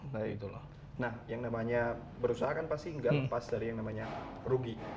nah yang namanya berusaha kan pasti nggak lepas dari yang namanya rugi